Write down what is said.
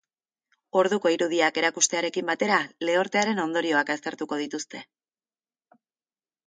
Orduko irudiak erakustearekin batera, lehortearen ondorioak aztertuko dituzte.